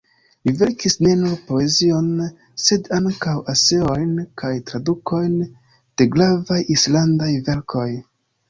Li verkis ne nur poezion sed ankaŭ eseojn kaj tradukojn de gravaj islandaj verkoj.